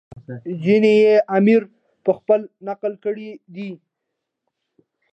ځینې یې امیر پخپله نقل کړي دي.